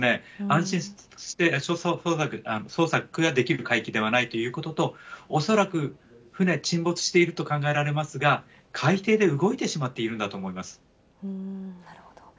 安心して捜索ができる海域ではないということと、恐らく船、沈没していると考えられますが、海底で動いてしまっているんだとなるほど。